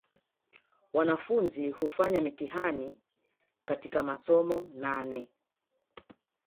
Wanafunzi hufanya mtihani katika masomo nane